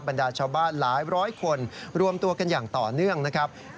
บรรดาชาวบ้านหลายร้อยคนรวมตัวกันอย่างต่อเนื่องนะครับ